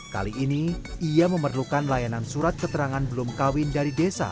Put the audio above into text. kali ini ia memerlukan layanan surat keterangan belum kawin dari desa